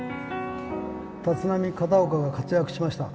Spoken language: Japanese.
立浪・片岡が活躍しました。